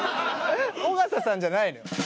尾形さんじゃないのよ。